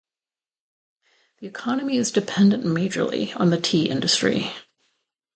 The economy is dependent majorly on the tea industry.